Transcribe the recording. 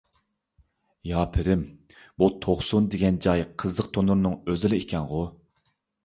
يا پىرىم، بۇ توقسۇن دېگەن جاي قىزىق تونۇرنىڭ ئۆزىلا ئىكەنغۇ.